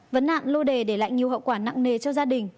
vấn nạn lô đề để lại nhiều hậu quả nặng nề cho gia đình